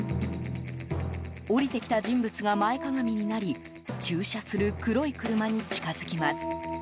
降りてきた人物が前かがみになり駐車する黒い車に近づきます。